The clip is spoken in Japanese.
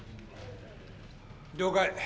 了解。